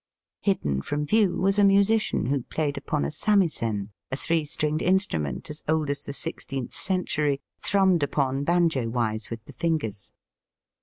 Hidden from view was a musician who played upon a samisen, a three stringed instrument, as old as the sixteenth century, thrummed upon banjo wise with the fingers.